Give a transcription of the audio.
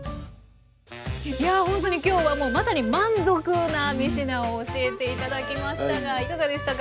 いやほんとに今日はまさに「まんぞく」な３品を教えて頂きましたがいかがでしたか？